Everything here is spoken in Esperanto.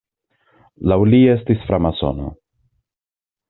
Laŭ li estis framasono.